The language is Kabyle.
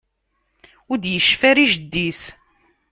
Ur d-yecfi ara i jeddi-s.